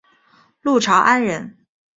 陆朝安人。